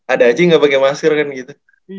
ada aja yang gak pake masker kan gitu